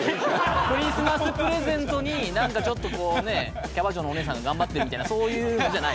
クリスマスプレゼントになんかちょっとこうねキャバ嬢のお姉さんが頑張ってるみたいなそういうのじゃない？